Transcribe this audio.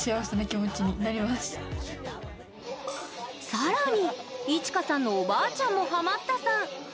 さらにいちかさんのおばあちゃんもハマったさん。